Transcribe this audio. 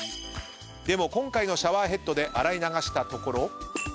でも今回のシャワーヘッドで洗い流したところ。